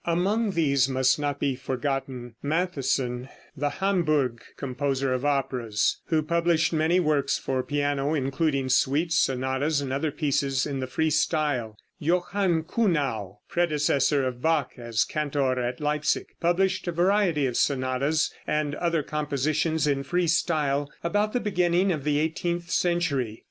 Among these must not be forgotten Mattheson, the Hamburgh composer of operas (p. 242), who published many works for piano, including suites, sonatas and other pieces in the free style. Johann Kuhnau (1667 1722), predecessor of Bach as cantor at Leipsic, published a variety of sonatas and other compositions in free style, about the beginning of the eighteenth century.